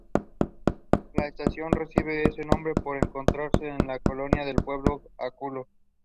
La estación recibe ese nombre por encontrarse en la colonia Pueblo Aculco.